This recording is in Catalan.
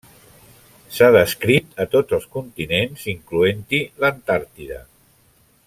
S’ha descrit a tots els continents incloent-hi l’Antàrtida.